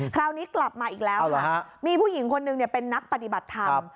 คราวนี้กลับมาอีกแล้วค่ะมีผู้หญิงคนหนึ่งเป็นนักปฏิบัติธรรม